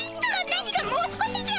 何が「もう少し」じゃ！